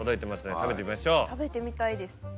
食べてみたいです。